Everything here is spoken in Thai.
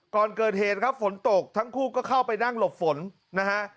ก่อนเกิดเหตุครับฝนตกทั้งคู่ก็เข้าไปนั่งหลบฝนนะฮะ